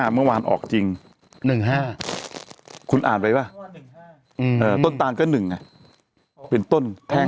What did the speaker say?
เมื่อวานออกจริง๑๕คุณอ่านไปป่ะต้นตานก็๑เป็นต้นแท่ง